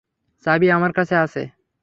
চাবি আমার কাছে আছে।